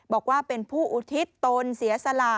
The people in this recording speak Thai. บอกว่าเป็นผู้อุทิศตนเสียสละ